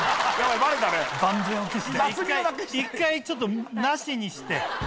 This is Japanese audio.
一回ちょっとなしにして。